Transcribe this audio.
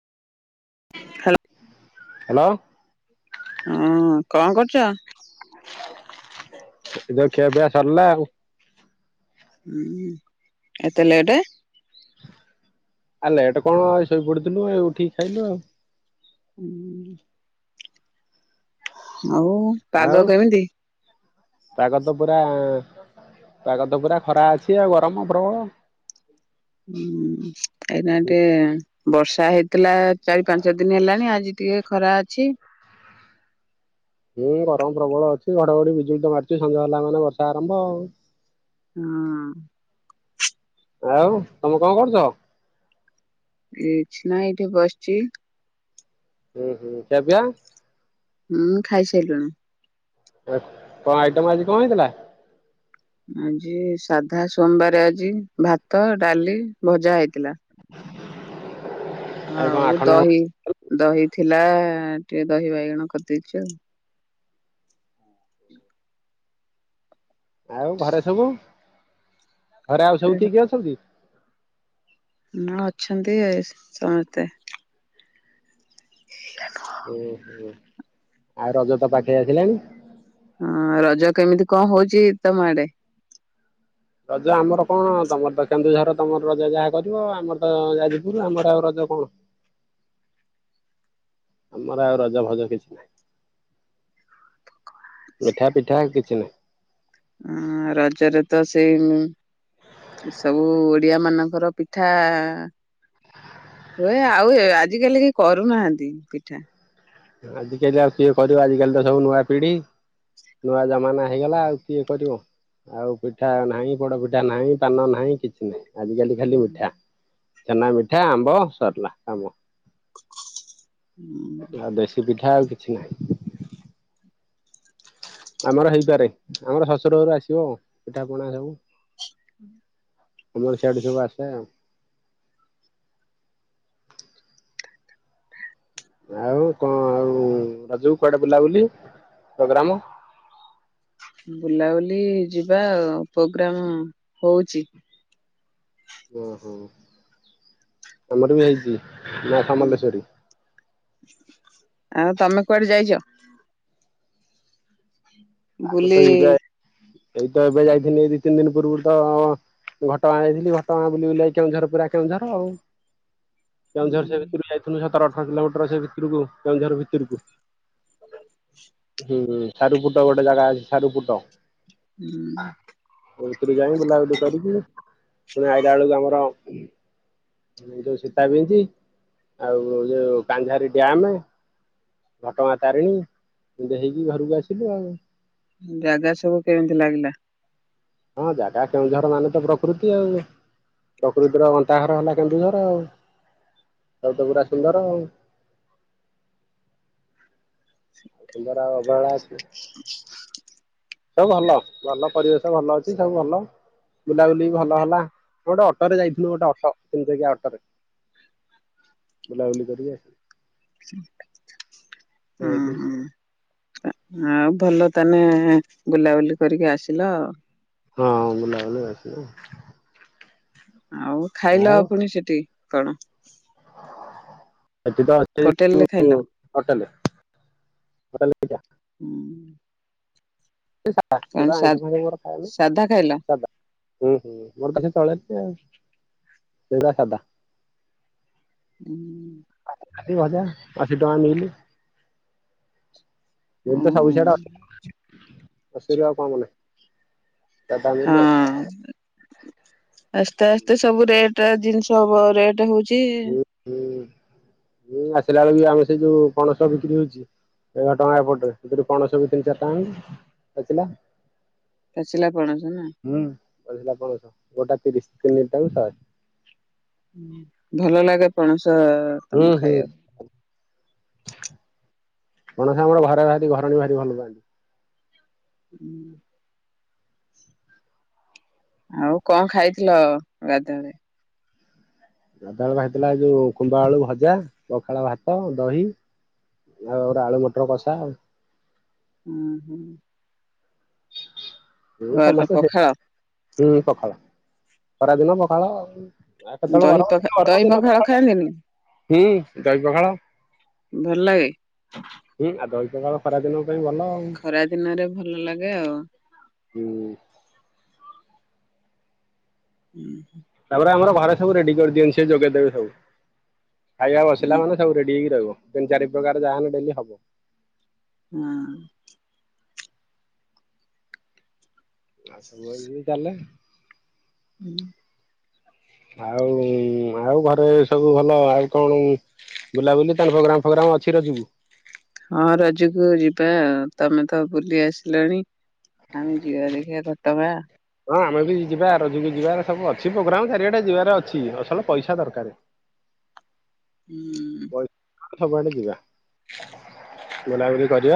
Hello ହୁଁ କଣ କରୁଚ। ଏବେ ତ ଖିଆ ପିଆ ସରିଲା ଆଉ। ହୁଁ ଏତେ ଲେଟେ। ଆ ଲେଟ କଣ ଶୋଇପଡିଥିଲୁ ଉଠିକି ଖାଇଲୁ ଆଉ। ହୁଁ ଆଉ ପାଗ କେମିତି। ପାଗତ ପୁରା ପାଗ ତ ପୁରା ଖରା ଅଛି ଆଉ ଗରମ ପ୍ରବଳ। ହୁଁ ଏଇନା ଟିକେ ବର୍ଷା ହେଇଥିଲା ଚାରି ପାଞ୍ଚ ଦିନ ହେଲାଣି ଆଜି ଟିକେ ଖରା ଅଛି। ହୁଁ ଗରମ ପ୍ରବଳ ଅଛି ଘଡଘଡି ବିଜୁଳି ତ ମାରୁଛି ସନ୍ଦ୍ୟା ହେଲା ମାନେ ବର୍ଷା ଆରମ୍ଭ ଆଉ। ହଁ ଆଉ ତମେ କଣ କରୁଚ। କିଛିନା ଏଇଠି ବସଚି। ହୁଁ ହୁଁ ଖିଆ ପିଆ। ହୁଁ ଖାଇସାଇଲୁଣୁ। ଏତ କଣ ଆଇଟମ ଆଜି କଣ ହେଇଥିଲା? ଆଜି ସାଧା ସୋମବାର ଆଜି ଭାତ, ଡାଲି, ଭଜା ହେଇଥିଲା। କଣ ଆଉ ଆଖଣ୍ଡ ଦହି ଦହି ଥିଲା ଆ। ଟିକେ ଦହି ବାଇଗଣ କରିଦେଇଚି ଆଉ। ହଁ ଆଉ ଘରେ ସବୁ। ଘରେ ଆଉ ସବୁ କିଏ କିଏ ଅଛନ୍ତି। ନା ଅଛନ୍ତି ଏ ସମସ୍ତେ। ଓ ହୋ ଆଉ ରଜତ ପାଖେଇ ଆସିଲାଣି। ହଁ ରଜ କେମିତି କଣ ହଉଚି ତମ ଆଡେ? ରଜ ଆମର କଣ ତମର ତ କେନ୍ଦୁଝର ତମର ରଜ ଯାହା କରିବ। ଆମର ତ ଯାଜପୁର ଆମର ଆଉ ରଜ କଣ? ଆମର ଆଉ ରଜ ଭଜ କିଛି ନାହିଁ। ମିଠା ପିଠା କିଛି ନାହିଁ। ଉ ଉ ରଜରେ ତ ସେଇ ସବୁ ଓଡିଆ ମାନଙ୍କର ପିଠା ହୁଏ। ଆଉ ଆଜିକାଲି କି କରୁନାହାନ୍ତି ପିଠା। ଆଜିକାଲି ଆଉ କିଏ କରିବ। ଆଜିିକାଲି ତ ସବୁ ନୂଆ ପିଢି, ନୂଆ ଜମାନା ହେଇଗଲା ଆଉ କିଏ କରିବ ଆଉ। ପିଠା ନାହିଁ, ପୋଡ ପିଠା ନାହିଁ, ପାନ ନାହିଁ, କିଛି ନାହିଁ। ଆଜିକାଲି ଖାଲି ମିଠା। ଛେନା, ମିଠା, ଆମ୍ବ ସରିଲା କାମ। ଆ ଦେଶୀପିଠ ଠା ଆଉ କିଛି ନାହିଁ। ଆମର ହେଇପାରେ ଆମର ଶଶୁର ଘରୁ ଆସିବ। ପିଠା ପଣା ସବୁ। ଆମର ସିଆଡୁ ସବୁ ଆସେ ଆଉ। ଆଉ କଣ ଆଉ ରଜକୁ କୁଆଡେ ବୁଲାବୁଲି ପୋଗ୍ରାମ। ବୁଲାବୁଲି ଯିବା ପୋଗ୍ରାମ ହଉଚି। ଓହୋ ଆମର ବି ହେଇଛି। ମା ସାମଲଲେଶ୍ୱେରୀ ଆଉ ତମେ କୁଆଡେ ଯାଇଚ? ଆମେ ତ ବୋଲେ ଏବେ ଏଇ ତ ଏବେ ଯାଇଥିଲି ଦି ତିନି ଦିନ ପୂର୍ବରୁ ତ ଘଟଗାଁ ଯାଇଥିଲି ଘଟଗାଁ ବୁଲି ବୁଲା କି କେଉଁଝର ପୁରା କେଉଁଝର ଆଉ । କେଉଁଝର ସେ ଭିତରୁ ହୁଁ ଯାଇଥିଲୁ ସତରଟ ଆଠ କିଲୋମିଟର ଅଛ ଭିତରକୁ କେଉଁଝର ଭିତରକୁ ହୁଁ ସାରୁପୁଟ ଗୋଟେ ଜାଗା ଅଛି ସାରୁପୁଟ ହୁଁ । ଡିଇ ବୁଲା ବୁ କରିକି ପୁଣି ଆଇଲା ବେଳକୁ ଆମର ଯୋଉ ସୀତାବିଞ୍ଚ ଆଉ ଯୋଉ କାଞ୍ଜାରୀ ଡ୍ୟାମ ଘଟଗାଁ ତାରିଣୀ ଦେଇକି ଘରକୁ ଆସିଲୁ ଆଉ । ଜାଗା ସବୁ କେମିତି ଲାଗିଲା? ହଁ ଜାଗା କେଉଁଝର ମାନେ ତ ପ୍ରକୃତି ଆଉ ପ୍ରକୃତିର ଗନ୍ତାଘର ହେଲା କେନ୍ଦୁଝର ଆଉ ସବୁ ତ ପୁରା ସୁନ୍ଦର ଆଉ। ଆଉ ସୁନ୍ଦର ଆ ବଳ [unintelligible] ସବୁ ଭଲ ଭଲ ପରିବେଶ ଭଲ ଅଛି ସବୁ ଭଲ ବୁଲାବୁଲି ଭଲ ହେଲା ଗୋଟେ ଅଟୋରେ ଯାଇଥିଲୁ ଗୋଟେ ଅଟୋ ତିନିଚକିଆ ଅଟରେ ବୁଲାବୁଲି କରିକି ଆ ହଁ ଆସିଲୁ। ହଁ । ଆଉ ଭଲ ତାନେ ବୁଲାବୁଲି କରିକି ଆସିଲ ଆଉ ହଁ ଗୁଲାବେଲେ ଆସିଲୁ ଆଉ ଖାଇଲ ଆଉ ପୁଣି ସେଠି । କଣ? ସେଠି ତ ଅଛି ହୋଟେଲ ଯୁ ରେ ଖାଇଲ? ହୋଟେଲ ହୋଟେଲଟା କଣ ସା ସାାଇସ ଖାଇମ ସାଧା ହୁଁ ହୁଁ ମୋର ପାଖ ତଳେ ଆଉ ସୋ ସାଧା। ହୁଁ ଖାଲି ଭଜା ଅଶୀ ଟଙ୍କା ମିଲ ଏଇତ ସବୁ ସିଆଡ଼େ ଆସିବ ଆଉ କଣ କଲେ ହଁ ଆସ୍ତେ ଆସ୍ତେ ସବୁ ରେଟ ଜିନିଷ ହବ ରେଟ ହଉଛି ଚି ହୁଁ । ହୁଁ ହୁଁ ଆସିଲା ବେଳ ବି ଆମେ ସେଇ ଯୋଉ ପଣସ ବିକ୍ରି ହଉଛି ଏଗାର ଟଙ୍କା ଏପଟରେ ସେଥିରେ ପଣସ ବି ତିନି ଚାରି ଟା ଆଣିଲି ଆସିଲା। ପାଚିଲା ପଣସ ନା ହୁଁ ପାଚିଲା ପଣସ ଗୋଟା ତିରିଶ ତି ନିି ଟା କୁ ସହେ ଭଲ ଲାଗେ ପଣସ ତ ହୁଁ ତମ ହୁଁ। ଖାଇଆକୁ ପଣସ ଆମର ଘରେ ବା ଘରଣ ଭାରି ଭଲ ପାଆନ୍ତି। ହୁଁ । ଆଉ କଣ ଖାଇଥିଲ ଗାଧୁବେଳେ ରାଧବେଳୁ ଖାଇଥିଲା ଯୋଉ କୁମ୍ଭ ଆଳୁ ଭଜା ପଖାଳ ଭାତ ଦହି ଆଉ ଆଳୁ ମଟର କଷା ଆଉ ହୁଁ ହୁଁ । ଏ ପଖାଳ ହୁ ପଖାଳ। ଖରାଦିନ ପଖାଳ ଆ କେତେବେଳେ ଦହି ଗର ଗ ପଖା ଦହି ଦିନଖାଳ ଜ ପଖାଳ ଖାଆନ୍ତିନି ହୁଁ ଦହି ପଖାଳ। ଭଲ ଲାଗେ ହୁଁ ଆଦ ଅ ଖରାଦିନ ଖରା ଦିନରେ ଭଲ ଲାଗେ ଆଉ। ହୁଁ। ହୁଁ ହୁଁ । ତାପରେ ଆମର ଘରେ ସବୁ ରେଡି କରିଦିଅନ୍ତି ସ ଯୋଗେଇଦବେ ସବୁ ଖାଇବା ବସିଲା ହୁଁ ମାନ ସବୁ ରେଡି ହେଇକି ରହିବ ତିନି ଚାରି ପ୍ରକାର ଯାହାହାନ ଡେଲି ହବ ହଁ । ଆ ସବୁ ଏମିତି ଚାଲେ । ହୁଁ । ଆଉ ଆଉ ଘରେ ସବୁ ଭଲ ଆଉ କଣ ବୁଲାବୁଲି ତ ଫୋଗ୍ରାମ ଫୋଗ୍ରାମ ଅଛି ରଜ କୁ ହଁ ରଜକୁ ଯିବା ତମେ ତ ବୁଲି ଆସିଲଣି ଆମେ ଯିବା ଦେଖିବା ଘଟଗାଁ ହଁ ଆମେ ବି ଯିବା ରୋଜ ବି ଯିବାର ସବୁ ଅଛି ପ୍ରୋଗ୍ରାମ ଚାରିଆଟେ ଯିବାରେ ଅଛି ଅସଲ ପଇସା ଦରକାର ହୁଁ । ପଇସା ସବୁଆଡେ ଯିବା ବୁଲାବୁଲି କରିବା